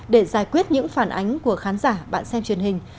để giải quyết những phản ánh của khán giả bạn xem truyền hình